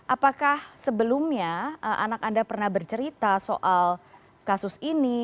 apakah sebelumnya anak anda pernah bercerita soal kasus ini